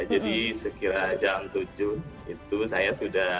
jadi sekitar jam tujuh itu saya sudah